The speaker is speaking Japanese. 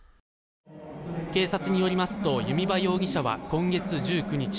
警察によりますと弓場容疑者は今月１９日